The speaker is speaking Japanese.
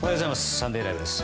「サンデーＬＩＶＥ！！」です。